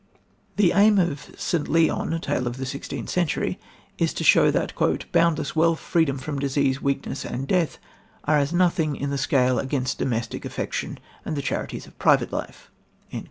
The aim of St. Leon: A Tale of the Sixteenth Century, is to show that "boundless wealth, freedom from disease, weakness and death are as nothing in the scale against domestic affection and the charities of private life."